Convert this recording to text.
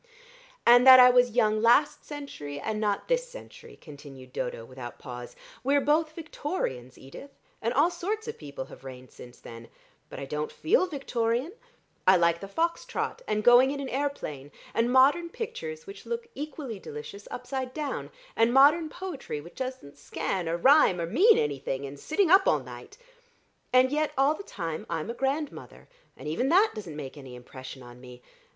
"And that I was young last century and not this century," continued Dodo without pause. "We're both Victorians, Edith, and all sorts of people have reigned since then. But I don't feel Victorian. I like the fox trot, and going in an aeroplane, and modern pictures which look equally delicious upside down, and modern poetry which doesn't scan or rhyme or mean anything, and sitting up all night. And yet all the time I'm a grandmother, and even that doesn't make any impression on me.